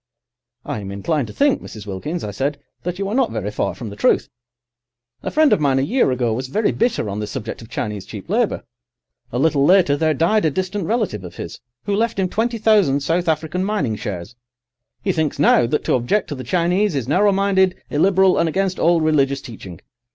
"I am inclined to think, Mrs. Wilkins," I said, "that you are not very far from the truth. A friend of mine, a year ago, was very bitter on this subject of Chinese cheap labour. A little later there died a distant relative of his who left him twenty thousand South African mining shares. He thinks now that to object to the Chinese is narrow minded, illiberal, and against all religious teaching.